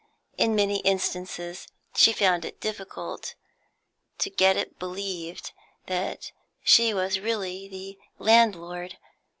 In many instances she found it difficult to get it believed that she was really the "landlord."